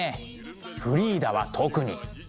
フリーダは特に。